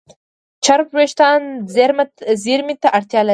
چرب وېښتيان زېرمه ته اړتیا لري.